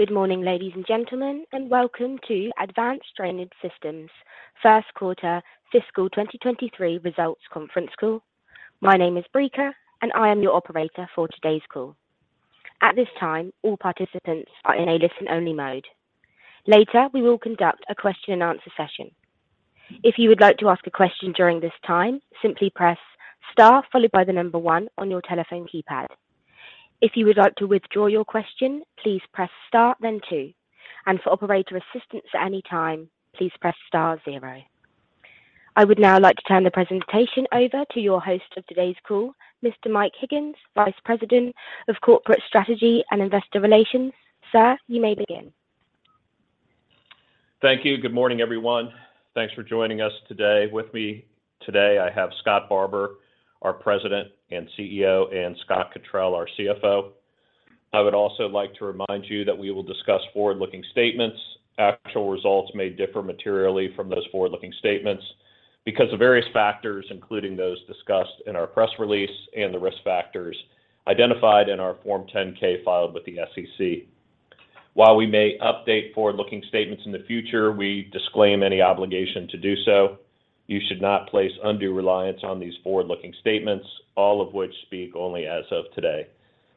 Good morning, ladies and gentlemen, and welcome to Advanced Drainage Systems First Quarter Fiscal 2023 Results Conference Call. My name is Breaker, and I am your operator for today's call. At this time, all participants are in a listen-only mode. Later, we will conduct a question-and-answer session. If you would like to ask a question during this time, simply press Star followed by the number 1 on your telephone keypad. If you would like to withdraw your question, please press Star, then 2. For operator assistance at any time, please press Star 0. I would now like to turn the presentation over to your host of today's call, Mr. Mike Higgins, Vice President of Corporate Strategy and Investor Relations. Sir, you may begin. Thank you. Good morning, everyone. Thanks for joining us today. With me today, I have Scott Barbour, our President and CEO, and Scott Cottrill, our CFO. I would also like to remind you that we will discuss forward-looking statements. Actual results may differ materially from those forward-looking statements because of various factors, including those discussed in our press release and the risk factors identified in our Form 10-K filed with the SEC. While we may update forward-looking statements in the future, we disclaim any obligation to do so. You should not place undue reliance on these forward-looking statements, all of which speak only as of today.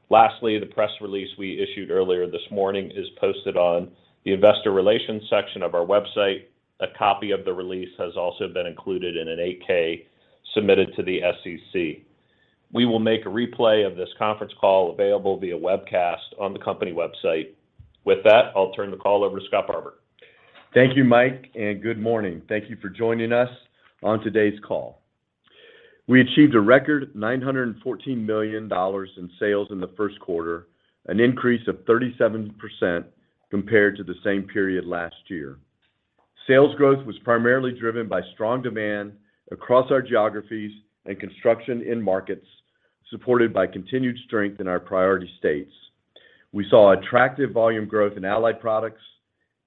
Lastly, the press release we issued earlier this morning is posted on the Investor Relations section of our website. A copy of the release has also been included in an 8-K submitted to the SEC. We will make a replay of this conference call available via webcast on the company website. With that, I'll turn the call over to Scott Barbour. Thank you, Mike, and good morning. Thank you for joining us on today's call. We achieved a record $914 million in sales in the first quarter, an increase of 37% compared to the same period last year. Sales growth was primarily driven by strong demand across our geographies and construction end markets, supported by continued strength in our priority states. We saw attractive volume growth in allied products,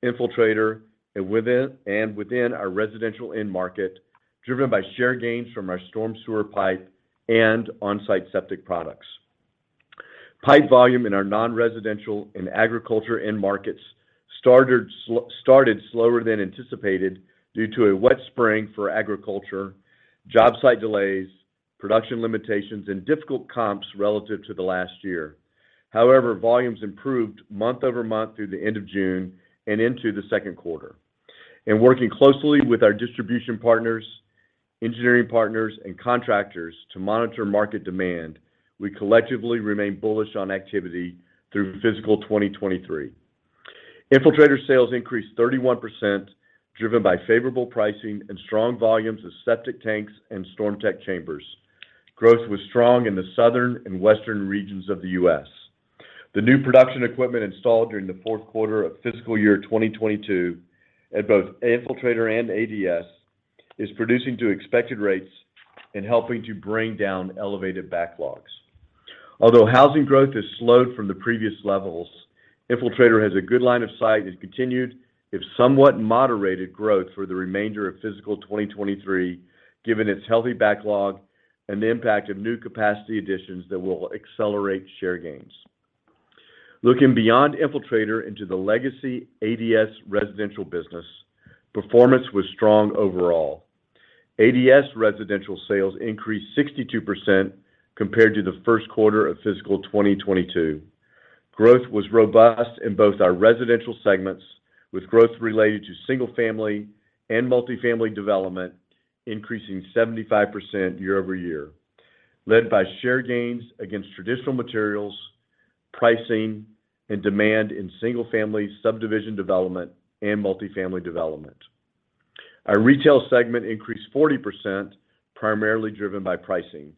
Infiltrator, and within our residential end market, driven by share gains from our storm sewer pipe and on-site septic products. Pipe volume in our non-residential and agriculture end markets started slower than anticipated due to a wet spring for agriculture, job site delays, production limitations, and difficult comps relative to the last year. However, volumes improved month-over-month through the end of June and into the second quarter. In working closely with our distribution partners, engineering partners, and contractors to monitor market demand, we collectively remain bullish on activity through fiscal 2023. Infiltrator sales increased 31%, driven by favorable pricing and strong volumes of septic tanks and StormTech chambers. Growth was strong in the southern and western regions of the U.S. The new production equipment installed during the fourth quarter of fiscal year 2022 at both Infiltrator and ADS is producing to expected rates and helping to bring down elevated backlogs. Although housing growth has slowed from the previous levels, Infiltrator has a good line of sight and continued, if somewhat moderated, growth for the remainder of fiscal 2023, given its healthy backlog and the impact of new capacity additions that will accelerate share gains. Looking beyond Infiltrator into the legacy ADS residential business, performance was strong overall. ADS residential sales increased 62% compared to the first quarter of fiscal 2022. Growth was robust in both our residential segments, with growth related to single-family and multifamily development increasing 75% year-over-year, led by share gains against traditional materials, pricing, and demand in single-family subdivision development and multifamily development. Our retail segment increased 40%, primarily driven by pricing.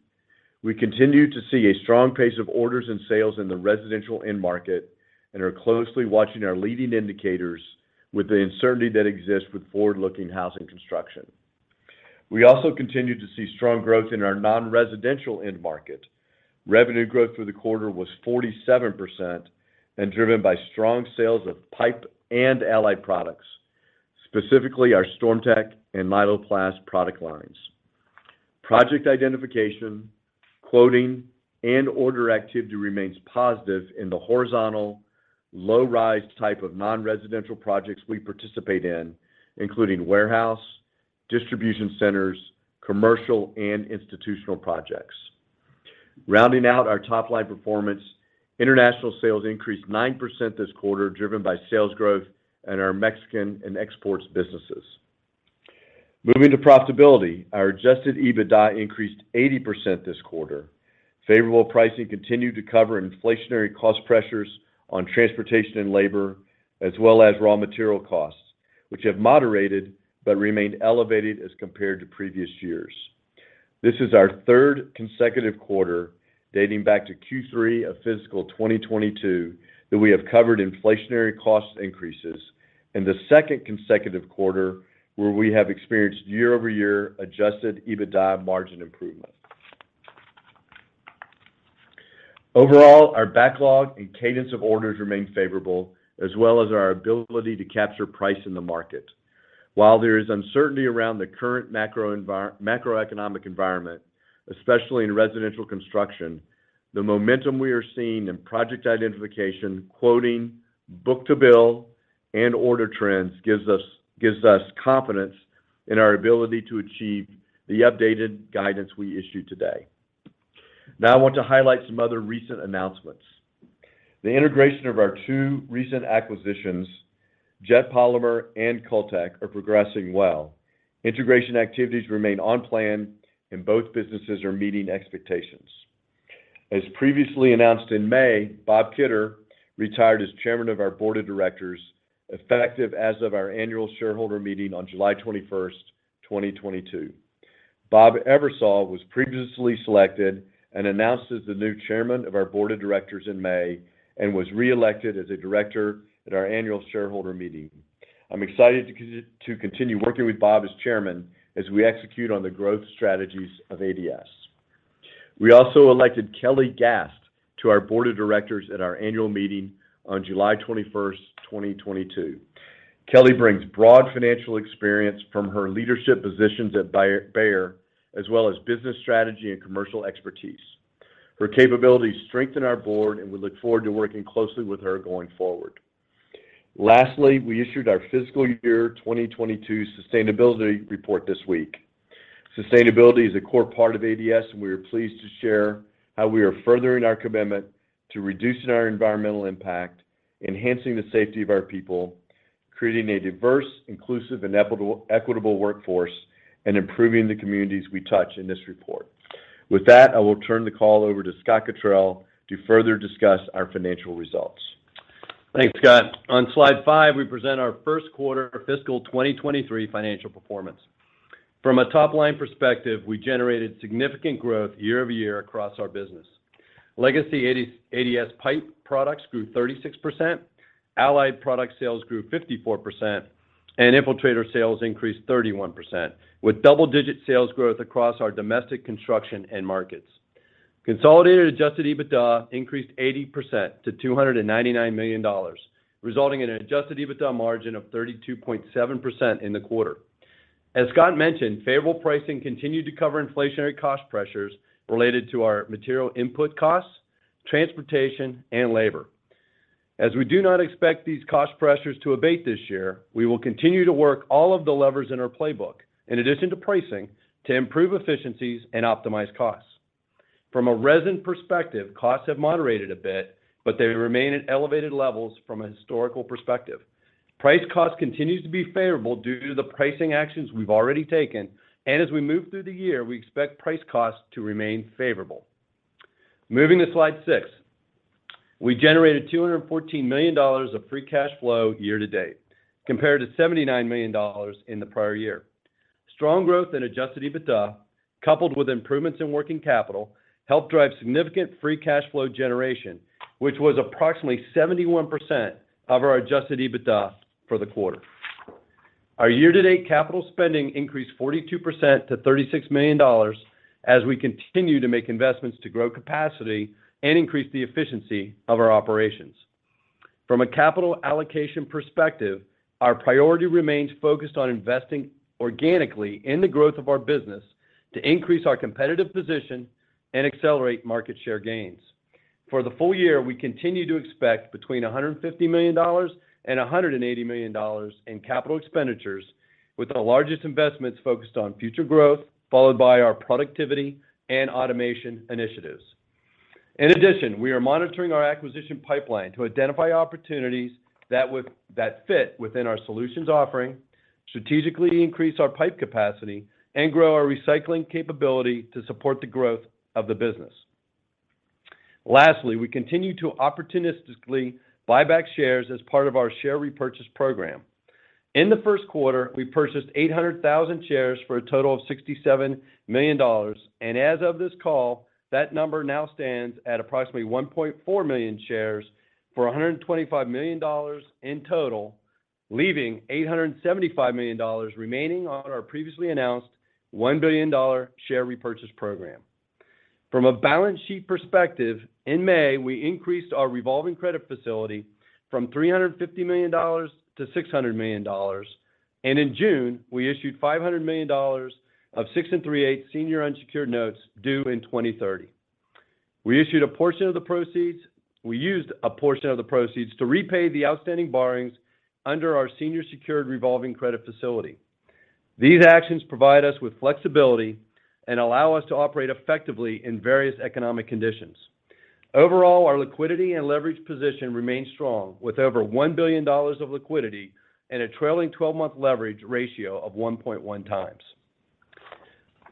We continue to see a strong pace of orders and sales in the residential end market and are closely watching our leading indicators with the uncertainty that exists with forward-looking housing construction. We also continue to see strong growth in our non-residential end market. Revenue growth for the quarter was 47% and driven by strong sales of pipe and allied products, specifically our StormTech and Nyloplast product lines. Project identification, quoting, and order activity remains positive in the horizontal, low-rise type of non-residential projects we participate in, including warehouse, distribution centers, commercial, and institutional projects. Rounding out our top-line performance, international sales increased 9% this quarter, driven by sales growth in our Mexican and exports businesses. Moving to profitability, our Adjusted EBITDA increased 80% this quarter. Favorable pricing continued to cover inflationary cost pressures on transportation and labor, as well as raw material costs, which have moderated but remained elevated as compared to previous years. This is our third consecutive quarter dating back to Q3 of fiscal 2022 that we have covered inflationary cost increases and the second consecutive quarter where we have experienced year-over-year Adjusted EBITDA margin improvement. Overall, our backlog and cadence of orders remain favorable, as well as our ability to capture price in the market. While there is uncertainty around the current macroeconomic environment, especially in residential construction, the momentum we are seeing in project identification, quoting, book-to-bill, and order trends gives us confidence in our ability to achieve the updated guidance we issued today. Now I want to highlight some other recent announcements. The integration of our two recent acquisitions, Jet Polymer and Cultec, are progressing well. Integration activities remain on plan, and both businesses are meeting expectations. As previously announced in May, Bob Kidder retired as Chairman of our Board of Directors, effective as of our annual shareholder meeting on July 21st, 2022. Bob Eversole was previously selected and announced as the new Chairman of our Board of Directors in May and was reelected as a director at our annual shareholder meeting. I'm excited to continue working with Bob as chairman as we execute on the growth strategies of ADS. We also elected Kelly Gast to our board of directors at our annual meeting on July 21, 2022. Kelly brings broad financial experience from her leadership positions at Bayer, as well as business strategy and commercial expertise. Her capabilities strengthen our board, and we look forward to working closely with her going forward. Lastly, we issued our fiscal year 2022 sustainability report this week. Sustainability is a core part of ADS, and we are pleased to share how we are furthering our commitment to reducing our environmental impact, enhancing the safety of our people, creating a diverse, inclusive, and equitable workforce, and improving the communities we touch in this report. With that, I will turn the call over to Scott Cottrill to further discuss our financial results. Thanks, Scott. On slide five, we present our first quarter fiscal 2023 financial performance. From a top-line perspective, we generated significant growth year-over-year across our business. Legacy ADS pipe products grew 36%, allied product sales grew 54%, and Infiltrator sales increased 31%, with double-digit sales growth across our domestic construction end markets. Consolidated Adjusted EBITDA increased 80% to $299 million, resulting in an Adjusted EBITDA margin of 32.7% in the quarter. As Scott mentioned, favorable pricing continued to cover inflationary cost pressures related to our material input costs, transportation, and labor. We do not expect these cost pressures to abate this year. We will continue to work all of the levers in our playbook, in addition to pricing, to improve efficiencies and optimize costs. From a resin perspective, costs have moderated a bit, but they remain at elevated levels from a historical perspective. Price/cost continues to be favorable due to the pricing actions we've already taken, and as we move through the year, we expect price/cost to remain favorable. Moving to slide 6. We generated $214 million of Free Cash Flow year-to-date, compared to $79 million in the prior year. Strong growth in Adjusted EBITDA, coupled with improvements in working capital, helped drive significant Free Cash Flow generation, which was approximately 71% of our Adjusted EBITDA for the quarter. Our year-to-date capital spending increased 42% to $36 million as we continue to make investments to grow capacity and increase the efficiency of our operations. From a capital allocation perspective, our priority remains focused on investing organically in the growth of our business to increase our competitive position and accelerate market share gains. For the full year, we continue to expect between $150 million and $180 million in capital expenditures, with the largest investments focused on future growth, followed by our productivity and automation initiatives. In addition, we are monitoring our acquisition pipeline to identify opportunities that fit within our solutions offering, strategically increase our pipe capacity, and grow our recycling capability to support the growth of the business. Lastly, we continue to opportunistically buy back shares as part of our share repurchase program. In the first quarter, we purchased 800,000 shares for a total of $67 million. As of this call, that number now stands at approximately 1.4 million shares for $125 million in total, leaving $875 million remaining on our previously announced $1 billion share repurchase program. From a balance sheet perspective, in May, we increased our revolving credit facility from $350 million to $600 million. In June, we issued $500 million of 6 3/8 senior unsecured notes due in 2030. We used a portion of the proceeds to repay the outstanding borrowings under our senior secured revolving credit facility. These actions provide us with flexibility and allow us to operate effectively in various economic conditions. Overall, our liquidity and leverage position remains strong with over $1 billion of liquidity and a trailing twelve-month leverage ratio of 1.1 times.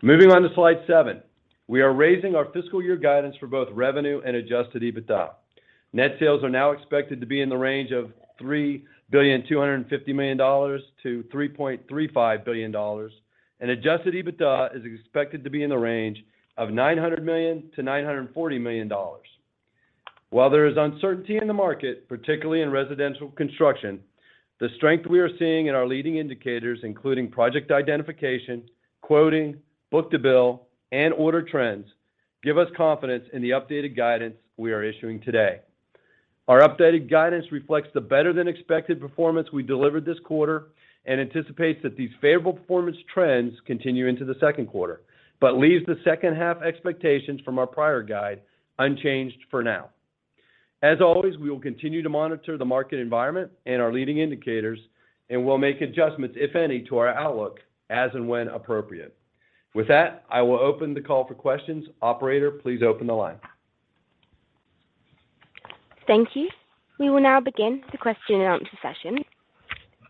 Moving on to slide 7. We are raising our fiscal year guidance for both revenue and Adjusted EBITDA. Net sales are now expected to be in the range of $3.25 billion-$3.35 billion. Adjusted EBITDA is expected to be in the range of $900 million-$940 million. While there is uncertainty in the market, particularly in residential construction, the strength we are seeing in our leading indicators, including project identification, quoting, book-to-bill, and order trends, give us confidence in the updated guidance we are issuing today. Our updated guidance reflects the better-than-expected performance we delivered this quarter and anticipates that these favorable performance trends continue into the second quarter, but leaves the second half expectations from our prior guide unchanged for now. As always, we will continue to monitor the market environment and our leading indicators, and we'll make adjustments, if any, to our outlook as and when appropriate. With that, I will open the call for questions. Operator, please open the line. Thank you. We will now begin the question and answer session.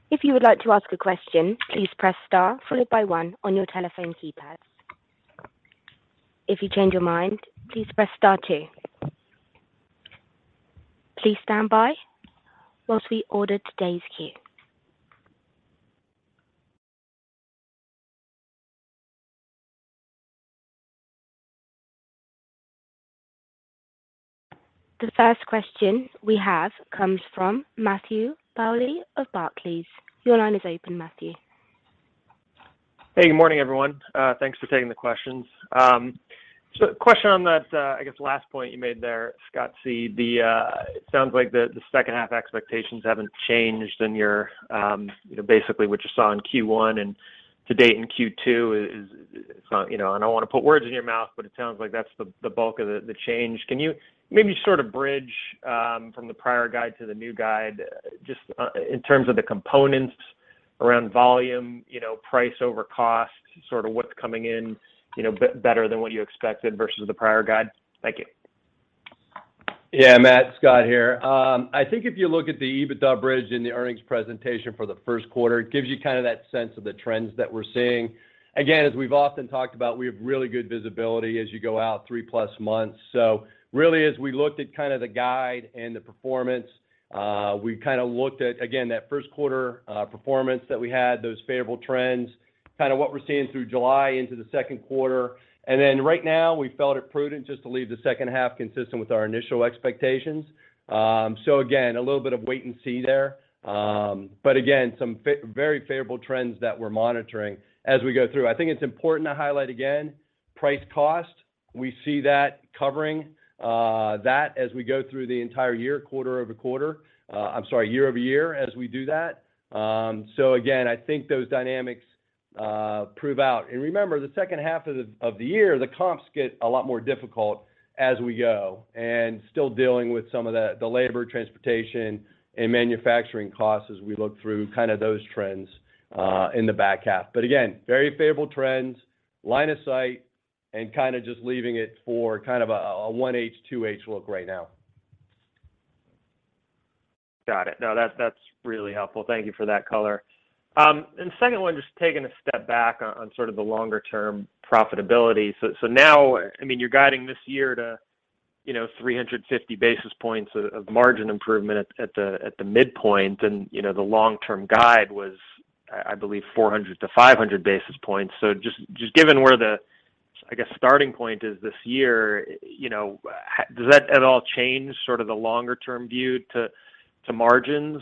If you would like to ask a question, please press star followed by one on your telephone keypad. If you change your mind, please press star two. Please stand by while we poll today's queue. The first question we have comes from Matthew Bouley of Barclays. Your line is open, Matthew. Hey, good morning, everyone. Thanks for taking the questions. So question on that, I guess last point you made there, Scott. So, it sounds like the second half expectations haven't changed in your, you know, basically what you saw in Q1 and to date in Q2 is, it's not, you know. I don't want to put words in your mouth, but it sounds like that's the bulk of the change. Can you maybe sort of bridge from the prior guide to the new guide just in terms of the components around volume, you know, price over cost, sort of what's coming in, you know, better than what you expected versus the prior guide? Thank you. Yeah, Matt, Scott here. I think if you look at the EBITDA bridge in the earnings presentation for the first quarter, it gives you kind of that sense of the trends that we're seeing. Again, as we've often talked about, we have really good visibility as you go out three-plus months. Really as we looked at kind of the guide and the performance, we kind of looked at, again, that first quarter performance that we had, those favorable trends, kind of what we're seeing through July into the second quarter. Right now we felt it prudent just to leave the second half consistent with our initial expectations. Again, a little bit of wait and see there. Again, some very favorable trends that we're monitoring as we go through. I think it's important to highlight again, price/cost. We see that covering that as we go through the entire year quarter-over-quarter, I'm sorry, year-over-year as we do that. So again, I think those dynamics prove out. Remember, the second half of the year, the comps get a lot more difficult as we go, and still dealing with some of the labor, transportation, and manufacturing costs as we look through kind of those trends in the back half. Again, very favorable trends, line of sight, and kind of just leaving it for kind of a 1H, 2H look right now. Got it. No, that's really helpful. Thank you for that color. Second one, just taking a step back on sort of the longer term profitability. So now, I mean, you're guiding this year to, you know, 350 basis points of margin improvement at the midpoint. You know, the long-term guide was, I believe 400-500 basis points. Just given where the, I guess starting point is this year, you know, does that at all change sort of the longer term view to margins,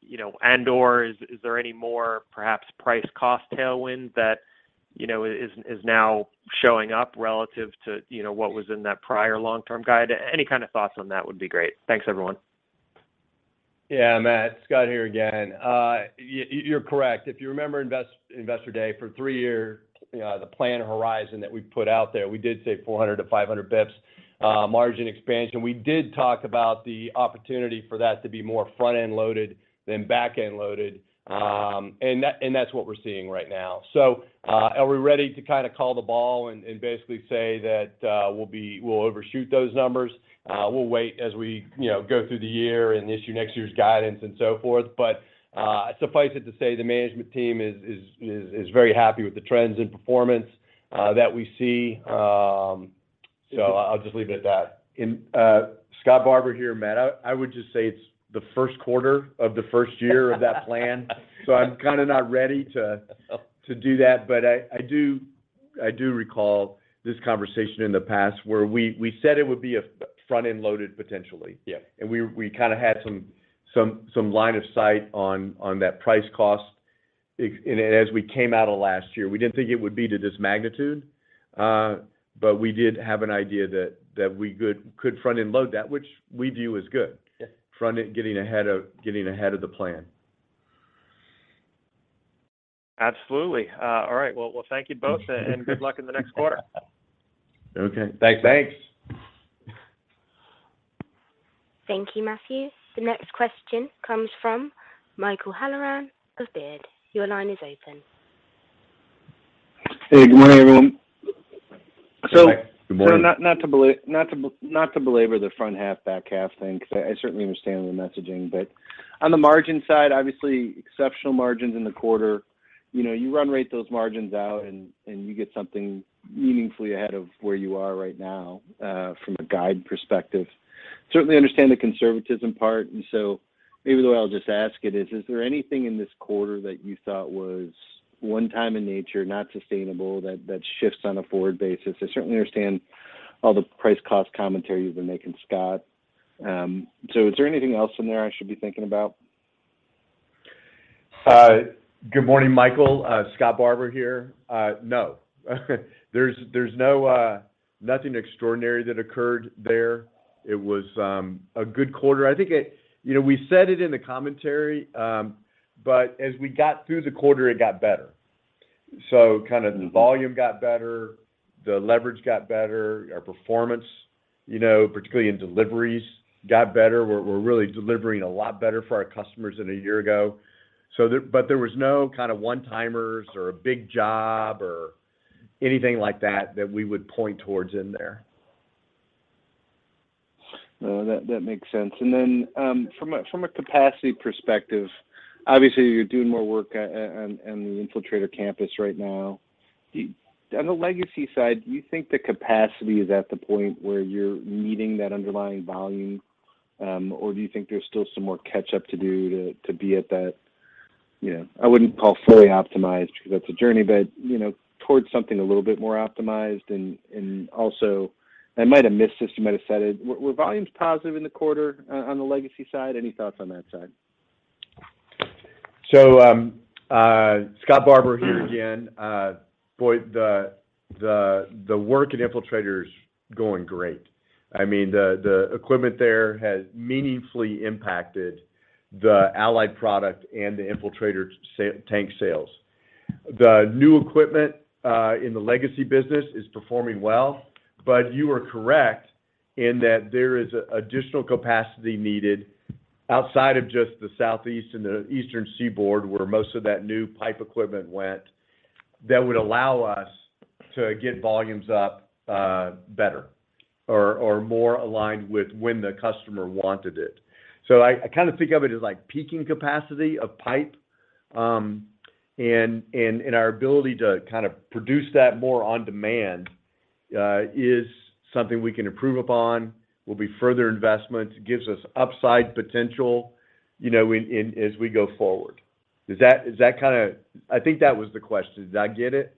you know, and/or is there any more perhaps price cost tailwind that, you know, is now showing up relative to, you know, what was in that prior long-term guide? Any kind of thoughts on that would be great. Thanks, everyone. Yeah, Matthew, Scott here again. You're correct. If you remember Investor Day for the three-year plan horizon that we put out there, we did say 400-500 basis points margin expansion. We did talk about the opportunity for that to be more front-end loaded than back-end loaded. And that's what we're seeing right now. Are we ready to kind of call the ball and basically say that we'll overshoot those numbers? We'll wait as we, you know, go through the year and issue next year's guidance and so forth. Suffice it to say the management team is very happy with the trends and performance that we see. I'll just leave it at that. Scott Barbour here, Matt. I would just say it's the first quarter of the first year of that plan. I'm kind of not ready to do that. I do recall this conversation in the past where we said it would be a front-end loaded potentially. Yeah. We kind of had some line of sight on that price/cost and as we came out of last year. We didn't think it would be to this magnitude, but we did have an idea that we could front-end load that, which we view as good. Yeah. Front-end getting ahead of the plan. Absolutely. All right. Well, thank you both and good luck in the next quarter. Okay. Thanks. Thanks. Thank you, Matthew. The next question comes from Michael Halloran of Baird. Your line is open. Hey, good morning, everyone. Good morning. Not to belabor the front half, back half thing, 'cause I certainly understand the messaging. On the margin side, obviously, exceptional margins in the quarter. You know, you run rate those margins out and you get something meaningfully ahead of where you are right now, from a guide perspective. Certainly understand the conservatism part, maybe the way I'll just ask it is. Is there anything in this quarter that you thought was one time in nature, not sustainable, that shifts on a forward basis? I certainly understand all the price/cost commentary you've been making, Scott. Is there anything else in there I should be thinking about? Good morning, Michael. Scott Barbour here. No. There's no nothing extraordinary that occurred there. It was a good quarter. I think it. You know, we said it in the commentary, but as we got through the quarter, it got better. So kind of the volume got better, the leverage got better, our performance, you know, particularly in deliveries, got better. We're really delivering a lot better for our customers than a year ago. But there was no kind of one-timers or a big job or anything like that that we would point towards in there. No, that makes sense. Then, from a capacity perspective, obviously you're doing more work at on the Infiltrator campus right now. On the legacy side, do you think the capacity is at the point where you're meeting that underlying volume? Or do you think there's still some more catch up to do to be at that, you know, I wouldn't call fully optimized because that's a journey, but, you know, towards something a little bit more optimized? Also, I might have missed this, you might have said it, were volumes positive in the quarter on the legacy side? Any thoughts on that side? Scott Barbour here again. Boy, the work at Infiltrator is going great. I mean, the equipment there has meaningfully impacted the allied product and the Infiltrator tank sales. The new equipment in the legacy business is performing well, but you are correct in that there is additional capacity needed outside of just the southeast and the eastern seaboard, where most of that new pipe equipment went, that would allow us to get volumes up better or more aligned with when the customer wanted it. I kind of think of it as like peaking capacity of pipe and our ability to kind of produce that more on demand is something we can improve upon. Will be further investments. Gives us upside potential, you know, in as we go forward. I think that was the question. Did I get it?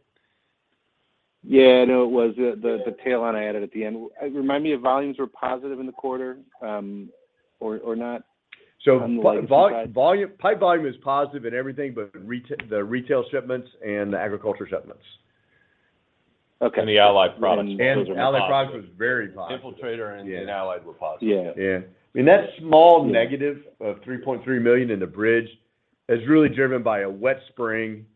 Yeah. No, it was. The tail end I added at the end. Remind me, if volumes were positive in the quarter, or not on the legacy side? Volume, pipe volume is positive in everything but the retail shipments and the agriculture shipments. Okay. The Allied products were positive. Allied products was very positive. Infiltrator and Allied were positive. Yeah. Yeah. I mean, that small negative of $3.3 million in the bridge is really driven by a wet spring,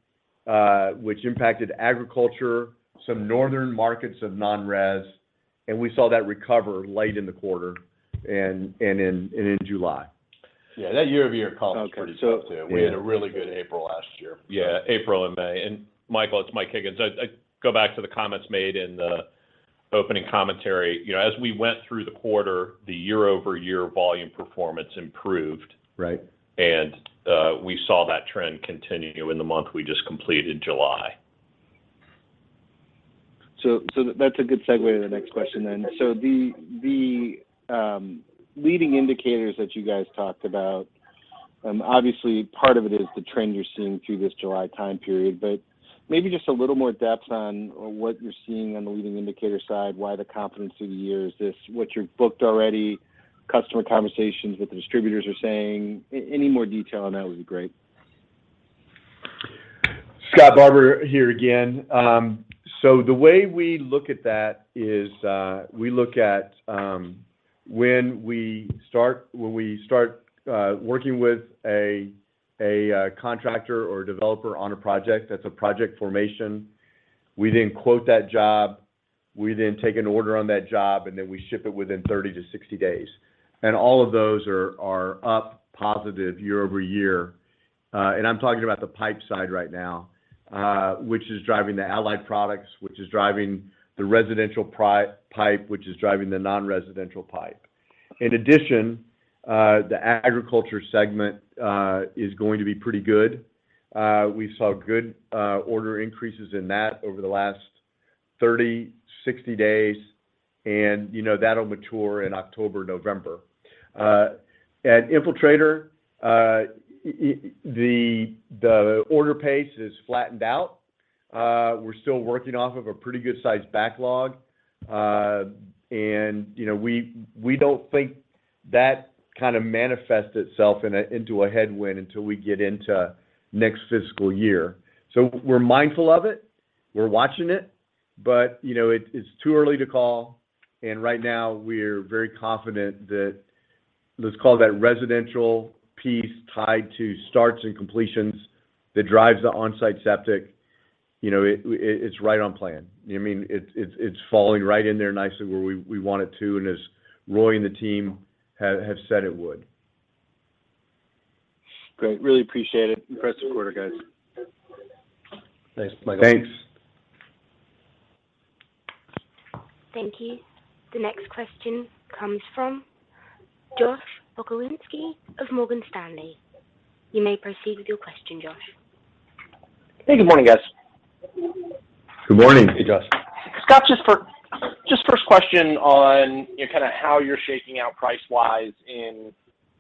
which impacted agriculture, some northern markets of non-res, and we saw that recover late in the quarter and in July. Yeah, that year-over-year comp was pretty tough too. Okay. Yeah. We had a really good April last year. Yeah, April and May. Michael, it's Mike Higgins. I go back to the comments made in the opening commentary. You know, as we went through the quarter, the year-over-year volume performance improved. Right. We saw that trend continue in the month we just completed, July. That's a good segue to the next question then. The leading indicators that you guys talked about, obviously part of it is the trend you're seeing through this July time period, but maybe just a little more depth on what you're seeing on the leading indicator side, why the confidence through the year. Is this what you've booked already, customer conversations, what the distributors are saying? Any more detail on that would be great. Scott Barbour here again. So the way we look at that is, we look at when we start working with a contractor or a developer on a project, that's a project formation. We then quote that job, we then take an order on that job, and then we ship it within 30-60 days. All of those are up positive year-over-year. I'm talking about the pipe side right now, which is driving the Allied products, which is driving the residential pipe, which is driving the non-residential pipe. In addition, the agriculture segment is going to be pretty good. We saw good order increases in that over the last 30, 60 days, and you know, that'll mature in October, November. At Infiltrator, the order pace has flattened out. We're still working off of a pretty good sized backlog. You know, we don't think that kind of manifests itself into a headwind until we get into next fiscal year. We're mindful of it, we're watching it, but you know, it's too early to call, and right now we're very confident that, let's call that residential piece tied to starts and completions that drives the on-site septic, you know, it's right on plan. I mean, it's falling right in there nicely where we want it to and as Roy and the team have said it would. Great. Really appreciate it. Impressive quarter, guys. Thanks, Michael. Thanks. Thank you. The next question comes from Josh Pokrzywinski of Morgan Stanley. You may proceed with your question, Josh. Hey, good morning, guys. Good morning. Hey, Josh. Scott, just first question on, you know, kind of how you're shaking out price-wise in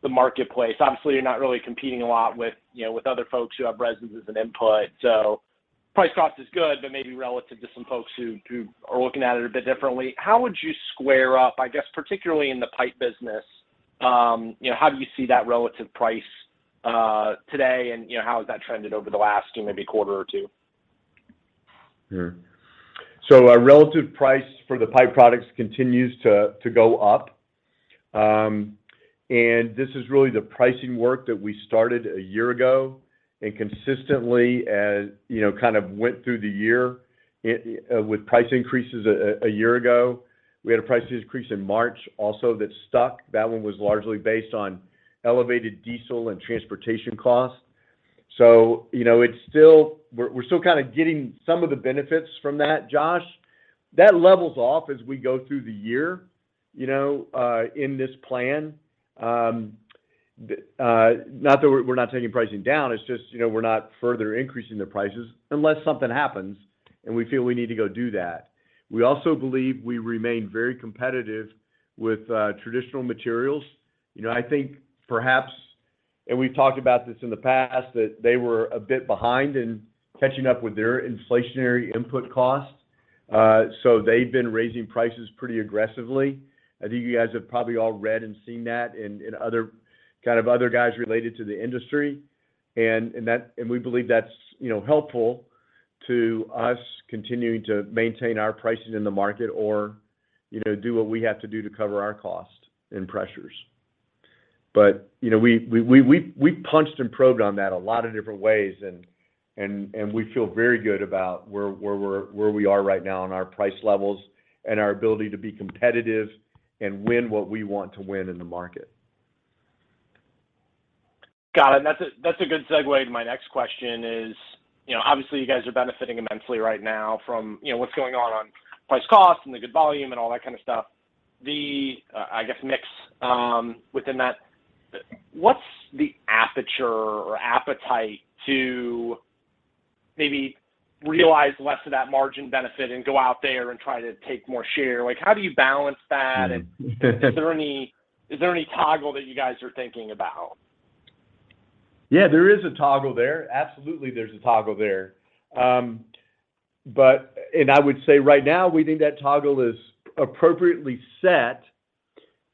the marketplace. Obviously, you're not really competing a lot with, you know, other folks who have resin and input. Price/cost is good, but maybe relative to some folks who are looking at it a bit differently. How would you square up, I guess, particularly in the pipe business, you know, how do you see that relative price today and, you know, how has that trended over the last maybe quarter or two? Our relative price for the pipe products continues to go up. This is really the pricing work that we started a year ago and consistently, you know, kind of went through the year with price increases a year ago. We had a price increase in March also that stuck. That one was largely based on elevated diesel and transportation costs. You know, we're still kind of getting some of the benefits from that, Josh. That levels off as we go through the year, you know, in this plan. Not that we're not taking pricing down, it's just, you know, we're not further increasing the prices unless something happens and we feel we need to go do that. We also believe we remain very competitive with traditional materials. You know, I think perhaps, and we've talked about this in the past, that they were a bit behind in catching up with their inflationary input costs. So they've been raising prices pretty aggressively. I think you guys have probably all read and seen that in other kind of other guys related to the industry. And we believe that's, you know, helpful to us continuing to maintain our pricing in the market or, you know, do what we have to do to cover our costs and pressures. You know, we punched and probed on that a lot of different ways and we feel very good about where we are right now in our price levels and our ability to be competitive and win what we want to win in the market. Got it. That's a good segue to my next question. You know, obviously you guys are benefiting immensely right now from, you know, what's going on on price/cost and the good volume and all that kind of stuff. The mix, I guess, within that, what's the aperture or appetite to maybe realize less of that margin benefit and go out there and try to take more share? Like, how do you balance that? Mm-hmm. Is there any toggle that you guys are thinking about? Yeah, there is a toggle there. Absolutely, there's a toggle there. I would say right now, we think that toggle is appropriately set,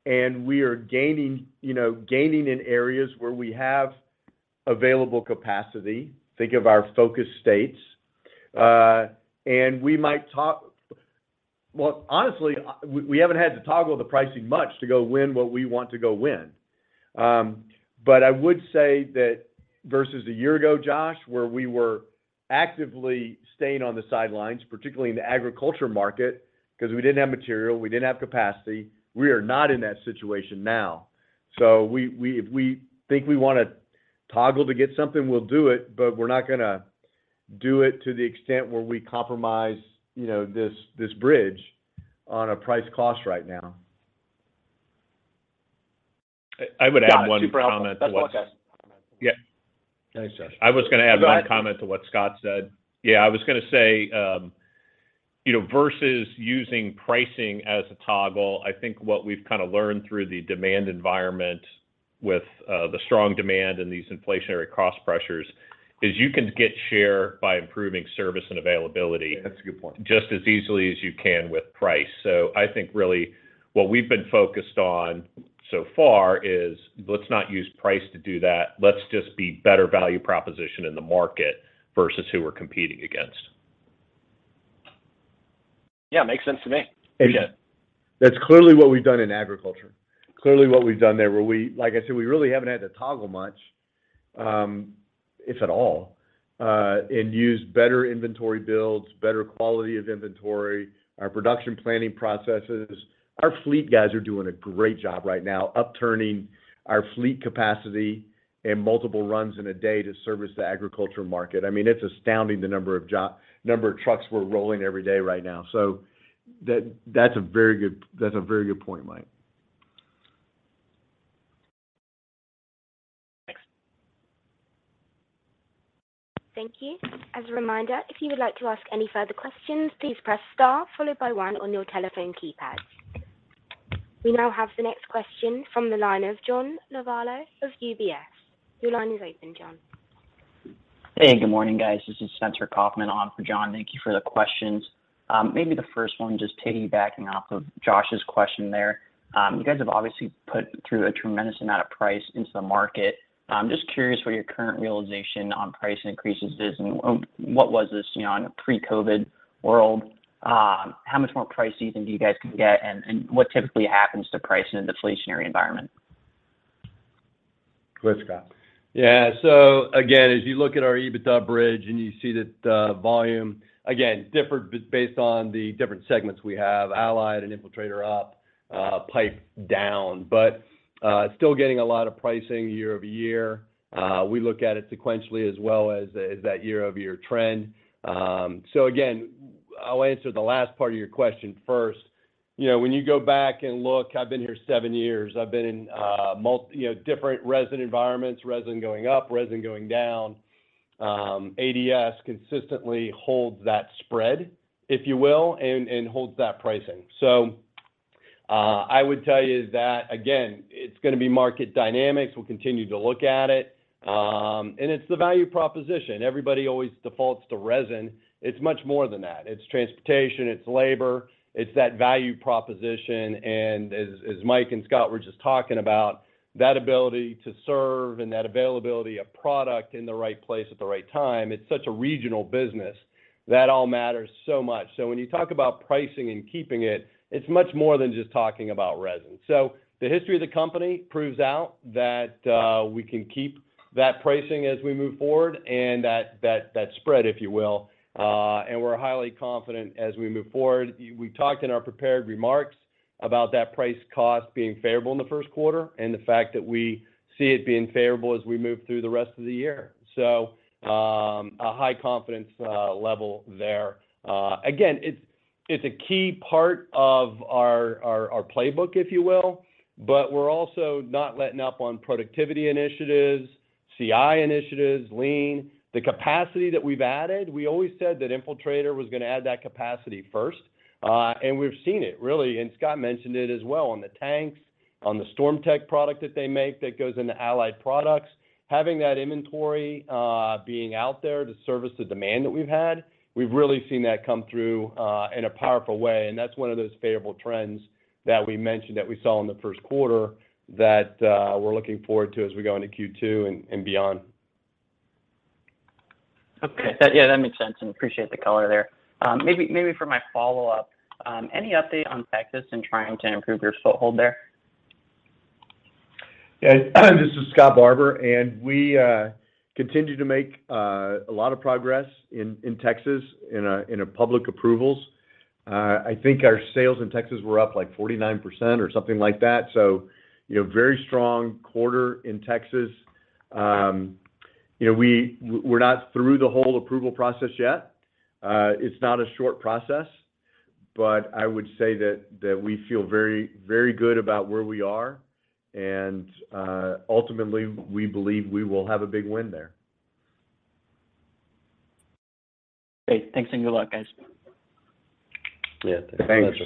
and we are gaining, you know, gaining in areas where we have available capacity. Think of our focus states. Well, honestly, we haven't had to toggle the pricing much to go win what we want to go win. I would say that versus a year ago, Josh, where we were actively staying on the sidelines, particularly in the agriculture market because we didn't have material, we didn't have capacity, we are not in that situation now. If we think we wanna toggle to get something, we'll do it, but we're not gonna do it to the extent where we compromise, you know, this bridge on a price/cost right now. I would add one comment to what. Got it. Super helpful. That's all I got. Yeah. Thanks, Josh. I was gonna add one comment to what Scott said. Yeah, I was gonna say, you know, versus using pricing as a toggle, I think what we've kind of learned through the demand environment with the strong demand and these inflationary cost pressures is you can get share by improving service and availability. Yeah, that's a good point. Just as easily as you can with price. I think really what we've been focused on so far is let's not use price to do that. Let's just be better value proposition in the market versus who we're competing against. Yeah, makes sense to me. That's clearly what we've done in agriculture. Clearly what we've done there, where, like I said, we really haven't had to toggle much, if at all, and use better inventory builds, better quality of inventory, our production planning processes. Our fleet guys are doing a great job right now upturning our fleet capacity and multiple runs in a day to service the agriculture market. I mean, it's astounding the number of trucks we're rolling every day right now. That's a very good point, Mike. Thanks. Thank you. As a reminder, if you would like to ask any further questions, please press star followed by one on your telephone keypad. We now have the next question from the line of John Lovallo of UBS. Your line is open, John. Hey, good morning, guys. This is Spencer Kaufman on for John. Thank you for the questions. Maybe the first one just piggybacking off of Josh's question there. You guys have obviously put through a tremendous amount of price into the market. I'm just curious what your current realization on price increases is and what was this, you know, in a pre-COVID world. How much more price season do you guys think you can get and what typically happens to price in a deflationary environment? Go ahead, Scott. Yeah. Again, as you look at our EBITDA bridge and you see that, volumes again differ based on the different segments we have, Allied and Infiltrator up, pipe down. Still getting a lot of pricing year-over-year. We look at it sequentially as well as that year-over-year trend. Again, I'll answer the last part of your question first. You know, when you go back and look, I've been here seven years. I've been in, you know, different resin environments, resin going up, resin going down. ADS consistently holds that spread, if you will, and holds that pricing. I would tell you that again, it's gonna be market dynamics. We'll continue to look at it. It's the value proposition. Everybody always defaults to resin. It's much more than that. It's transportation, it's labor, it's that value proposition. As Mike and Scott were just talking about, that ability to serve and that availability of product in the right place at the right time, it's such a regional business. That all matters so much. When you talk about pricing and keeping it's much more than just talking about resin. The history of the company proves out that we can keep that pricing as we move forward and that spread, if you will. We're highly confident as we move forward. We talked in our prepared remarks about that price/cost being favorable in the first quarter, and the fact that we see it being favorable as we move through the rest of the year. A high confidence level there. Again, it's a key part of our playbook, if you will, but we're also not letting up on productivity initiatives, CI initiatives, lean. The capacity that we've added, we always said that Infiltrator was gonna add that capacity first. And we've seen it really, and Scott mentioned it as well, on the tanks, on the StormTech product that they make that goes into Allied Products. Having that inventory being out there to service the demand that we've had, we've really seen that come through in a powerful way. That's one of those favorable trends that we mentioned that we saw in the first quarter that we're looking forward to as we go into Q2 and beyond. Okay. Yeah, that makes sense, and appreciate the color there. Maybe for my follow-up, any update on Texas in trying to improve your foothold there? Yeah. This is Scott Barbour, and we continue to make a lot of progress in Texas in public approvals. I think our sales in Texas were up, like, 49% or something like that. You know, very strong quarter in Texas. You know, we're not through the whole approval process yet. It's not a short process, but I would say that we feel very, very good about where we are, and ultimately, we believe we will have a big win there. Great. Thanks and good luck, guys. Yeah. Thanks.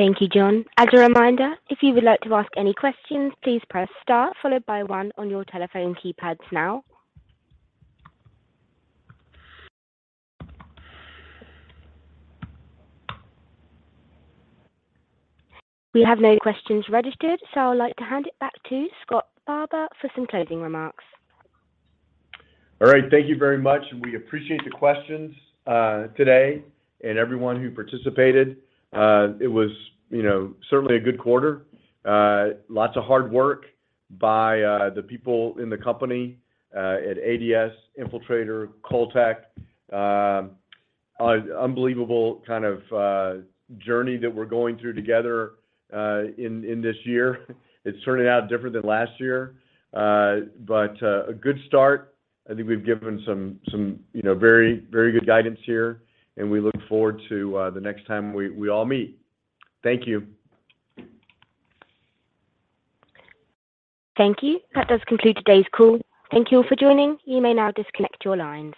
Thank you, John. As a reminder, if you would like to ask any questions, please press star followed by one on your telephone keypads now. We have no questions registered, so I'd like to hand it back to Scott Barbour for some closing remarks. All right. Thank you very much, and we appreciate the questions today and everyone who participated. It was, you know, certainly a good quarter. Lots of hard work by the people in the company at ADS, Infiltrator, Cultec. Unbelievable kind of journey that we're going through together in this year. It's turning out different than last year. A good start. I think we've given some, you know, very good guidance here, and we look forward to the next time we all meet. Thank you. Thank you. That does conclude today's call. Thank you all for joining. You may now disconnect your lines.